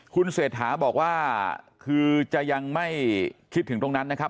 คุณเศรษฐาบอกว่าคือจะยังไม่คิดถึงตรงนั้นนะครับ